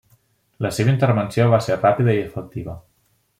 La seva intervenció va ser ràpida i efectiva.